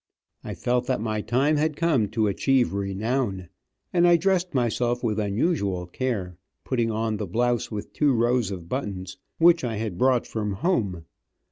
I felt that my time had come to achieve renown, and I dressed myself with unusual care, putting on the blouse with two rows of buttons, which I had brought from home.